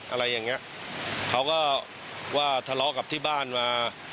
อะไรอย่างเงี้ยเขาก็ว่าทะเลาะกับที่บ้านมา